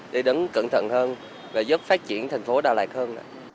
để đứng cẩn thận hơn và giúp phát triển thành phố đà lạt hơn